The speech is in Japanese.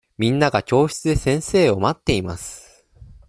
みんなが教室で先生を待っています。